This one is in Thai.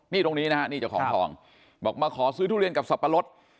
นี่ตรงนี้นะฮะนี่เจ้าของทองบอกมาขอซื้อทุเรียนกับสับปะรด